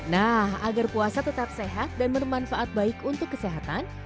nah agar puasa tetap sehat dan bermanfaat baik untuk kesehatan